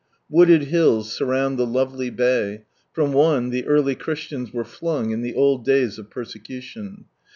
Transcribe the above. Wooded hills surround the lovely Bay; from one, the early Christians were flung in the old days of persecution.